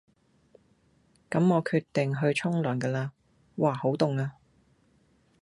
咁我決定要去沖涼㗎啦，嘩好凍呀！